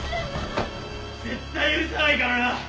絶対許さないからな！